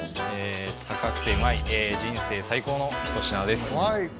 高くて旨い人生最高の一品です